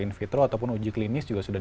in vitro ataupun uji klinis juga sudah